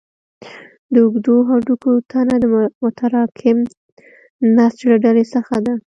د اوږدو هډوکو تنه د متراکم نسج له ډلې څخه ده.